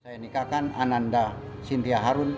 saya nikahkan ananda sintia harun